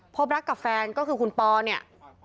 พบรักกับแฟนก็คือคุณปอเนี่ย